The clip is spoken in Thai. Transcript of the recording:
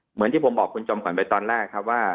เหมือนที่ผมบอกคุณจอมก่อนไปตอนแรก